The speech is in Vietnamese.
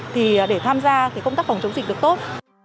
thì để tham gia công tác phòng chống dịch được tốt